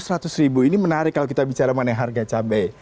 rp seratus ini menarik kalau kita bicara mengenai harga cabai